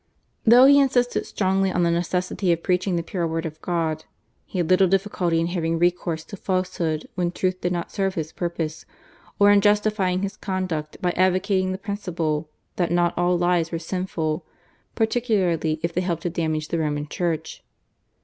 Though he insisted strongly on the necessity of preaching the pure Word of God, he had little difficulty in having recourse to falsehood when truth did not serve his purpose, or in justifying his conduct by advocating the principle that not all lies were sinful particularly if they helped to damage the Roman Church.